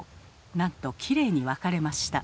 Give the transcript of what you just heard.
なんときれいに分かれました。